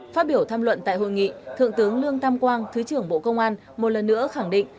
phát biểu tham luận tại hội nghị thượng tướng lương tam quang thứ trưởng bộ công an một lần nữa khẳng định